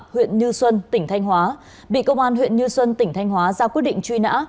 huyện như xuân tỉnh thanh hóa bị công an huyện như xuân tỉnh thanh hóa ra quyết định truy nã